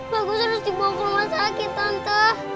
bagus harus dibawa ke rumah sakit contoh